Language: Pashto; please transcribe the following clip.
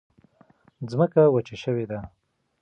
ځمکه وچه شوې ده.